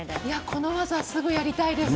この技すぐやりたいです。